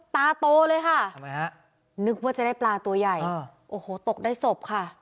ตาโตเลยค่ะทำไมฮะนึกว่าจะได้ปลาตัวใหญ่โอ้โหตกได้ศพค่ะ